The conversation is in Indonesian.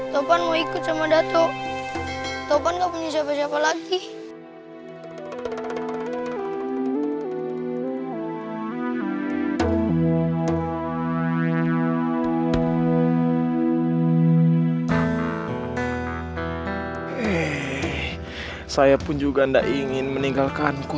topan mau ikut sama dato